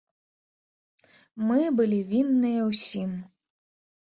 Мы былі вінныя ўсім.